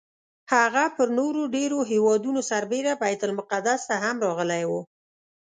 هغه پر نورو ډېرو هېوادونو سربېره بیت المقدس ته هم راغلی و.